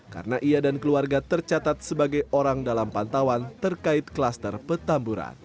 karena ia dan keluarga tercatat sebagai orang dalam pantauan terkait kluster petamburan